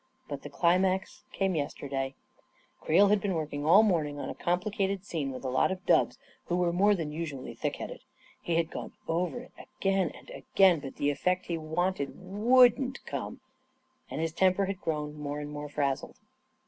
But the climax came yesterday. Creel had been working all morning on a com plicated scene with a lot of dubs who were more than usually thick headed. He had gone over it again and again, but the effect he wanted wouldn't come, and his temper had grown more and more frazzled.